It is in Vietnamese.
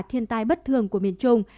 thiên tai bất thường của miền trung